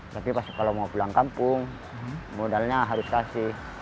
tapi kalau mau pulang kampung modalnya harus dikasih